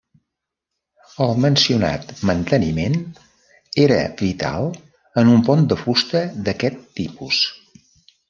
El mencionat manteniment era vital en un pont de fusta d'aquest tipus.